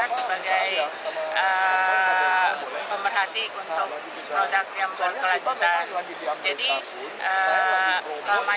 sebagai pemerhati untuk produk yang berkelanjutan